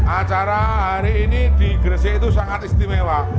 acara hari ini di gresik itu sangat istimewa